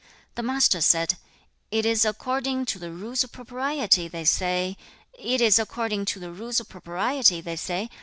The Master said, '"It is according to the rules of propriety," they say. "It is according to the rules of propriety," they say.